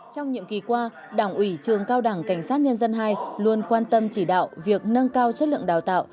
trong nhậm ký qua đảng ủy trường cao đẳng cảnh sát nhân dân ii luôn quan tâm chỉ đạo việc nâng cao chất lượng đào tạo